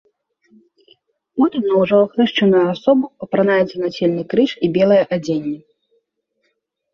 Потым на ўжо ахрышчаную асобу апранаецца нацельны крыж і белае адзенне.